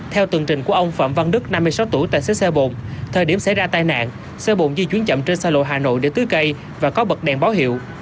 theo tường trình của ông phạm văn đức năm mươi sáu tuổi tài xế xe bồn thời điểm xảy ra tai nạn xe bồn di chuyển chậm trên xa lộ hà nội để tưới cây và có bật đèn báo hiệu